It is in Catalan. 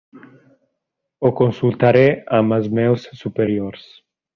Ho consultaré amb els meus superiors.